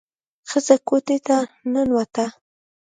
ښځه کوټې ته ننوته.